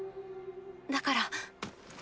だから。